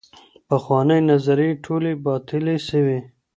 پخوانۍ نظریې ټولې باطلې سوې.